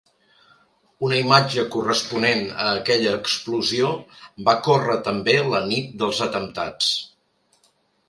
Una imatge corresponent a aquella explosió va córrer també la nit dels atemptats.